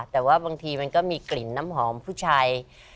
แต่ว่าบางทีมันก็มีกลิ่นน้ำหอมผู้ชาย